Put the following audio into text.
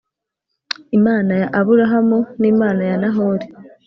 Imana ya Aburahamu n Imana ya Nahori